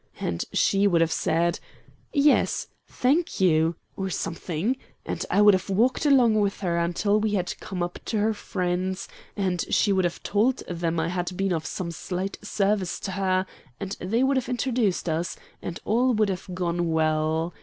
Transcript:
and she would have said, 'Yes; thank you,' or something; and I would have walked along with her until we had come up to her friends, and she would have told them I had been of some slight service to her, and they would have introduced us, and all would have gone well.